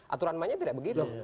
aturan manja tidak begitu